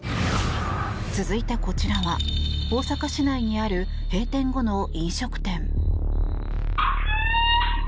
続いて、こちらは大阪市内にある閉店後の飲食店。